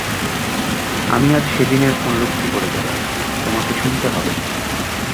আমি আজ সেদিনের পুনরুক্তি করে যাব, তোমাকে শুনতে হবে।